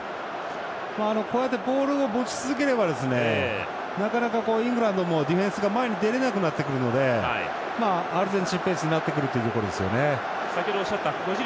こうやってボールを持ち続ければなかなか、イングランドもディフェンスが前に出れなくなってくるのでアルゼンチンペースになってくるところですね。